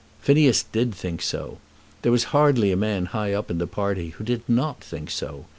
Phineas did think so. There was hardly a man high up in the party who did not think so.